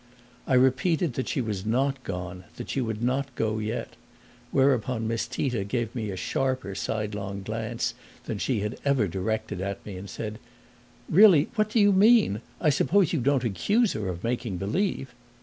I repeated that she was not gone, that she would not go yet; whereupon Miss Tita gave me a sharper sidelong glance than she had ever directed at me and said, "Really, what do you mean? I suppose you don't accuse her of making believe!"